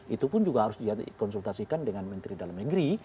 itu pun juga harus dikonsultasikan dengan menteri dalam negeri